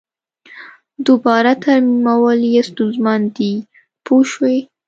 دوباره ترمیمول یې ستونزمن دي پوه شوې!.